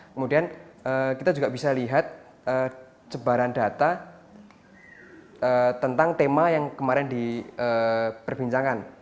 kemudian kita juga bisa lihat cebaran data tentang tema yang kemarin diperbincangkan